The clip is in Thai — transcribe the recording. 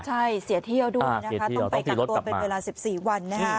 ใช่เสียเที่ยวด้วยนะคะต้องไปกักตัวเป็นเวลา๑๔วันนะคะ